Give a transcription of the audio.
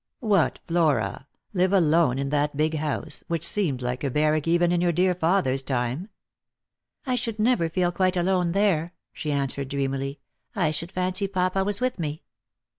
"What, Flora! live alone in that big house, which seemed like a barrack even in your dear father's time P " "I should never feel quite alone there," she answered, dreamily; " I should fancy papa was with me."